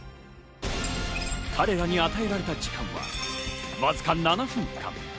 彼らに与えられた時間は、わずか７分間。